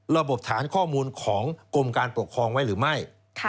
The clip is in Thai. ระบบฐานข้อมูลของกรมการปกครองไว้หรือไม่